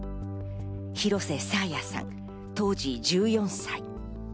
廣瀬爽彩さん、当時１４歳。